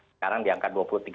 sekarang di angka dua puluh tiga